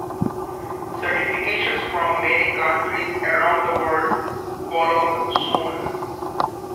Certifications from many countries around the world followed soon.